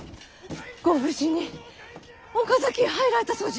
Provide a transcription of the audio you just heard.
ご無事に岡崎へ入られたそうじゃ。